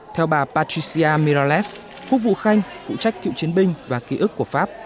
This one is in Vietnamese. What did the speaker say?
theo bà patricia mirales quốc vụ khanh phụ trách cựu chiến binh và ký ức của pháp